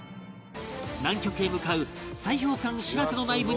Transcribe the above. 南極へ向かう砕氷艦「しらせ」の内部に潜入